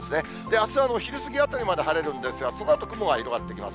あす、お昼過ぎあたりまではれるんですが、そのあと雲が広がってきます。